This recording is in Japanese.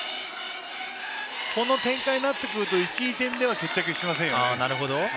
この展開になってくると１２点では決着しないですね。